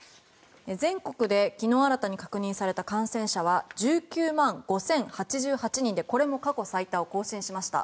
全国で、昨日新たに確認された感染者は、１９万５０８８人でこれも過去最多を更新しました。